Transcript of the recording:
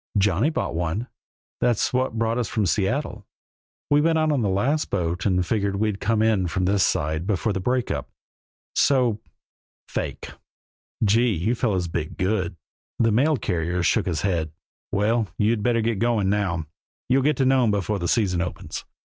"Johnny bought one. That's what brought us from Seattle. We went out on the last boat and figured we'd come in from this side before the break up. So fake!" "Gee! You fellers bit good." The mail carrier shook his head. "Well! You'd better keep going now; you'll get to Nome before the season opens.